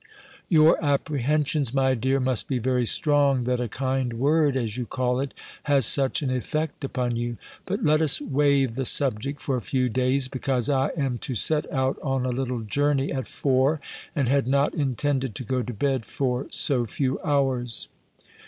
"Your apprehensions, my dear, must be very strong, that a kind word, as you call it, has such an effect upon you! But let us wave the subject for a few days, because I am to set out on a little journey at four, and had not intended to go to bed, for so few hours."